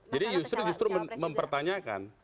jadi yusril justru mempertanyakan